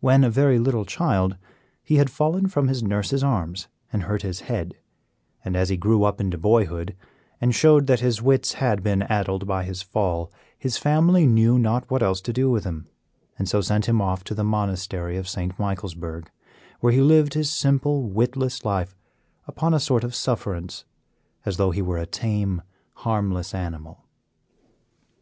When a very little child, he had fallen from his nurse's arms and hurt his head, and as he grew up into boyhood, and showed that his wits had been addled by his fall, his family knew not what else to do with him, and so sent him off to the Monastery of St. Michaelsburg, where he lived his simple, witless life upon a sort of sufferance, as though he were a tame, harmless animal.